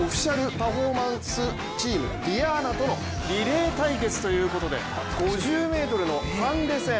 パフォーマンスチームｄｉａｎａとのリレー対決ということで５０ｍのハンデ戦。